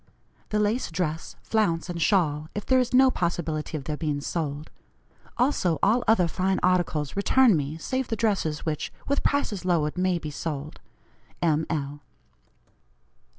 "The lace dress, flounce, and shawl, if there is no possibility of their being sold. Also all other fine articles return me, save the dresses which, with prices lowered, may be sold. "M. L."